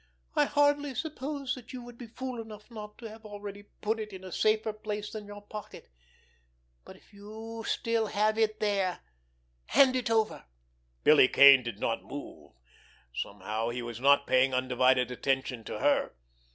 "I hardly suppose that you would be fool enough not to have already put it in a safer place than your pocket, but if you still have it there—hand it over!" Billy Kane did not move. Somehow he was not paying undivided attention to her.